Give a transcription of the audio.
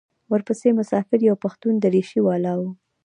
ورپسې مسافر یو پښتون درېشي والا و.